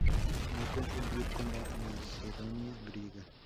No confundir con la Macedonia griega.